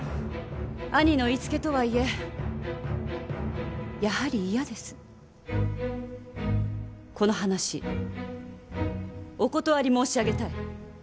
兄の言いつけとはいえこの話お断り申し上げたい。